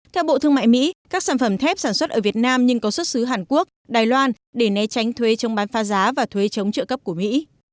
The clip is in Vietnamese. theo bộ thương mại mỹ các sản phẩm thép sản xuất ở việt nam nhưng có xuất xứ hàn quốc đài loan để né tránh thuê chống bán pha giá và thuê chống trợ cấp của mỹ